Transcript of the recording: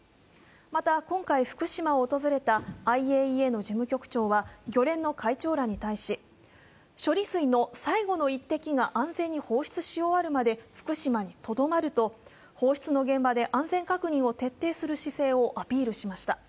また、今回福島を訪れたＩＡＥＡの事務局長は漁連の会長らに対し処理水の最後の一滴が安全に放出し終わるまで福島にとどまると、放出の現場で安全確認を徹底する姿勢を明言しました。